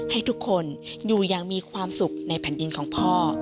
ให้ทุกคนอยู่อย่างมีความสุขในแผ่นดินของพ่อ